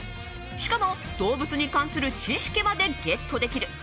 しかも動物に関する知識までゲットできる。